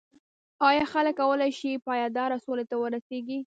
ایا خلک کولای شي پایداره سولې ته ورسیږي؟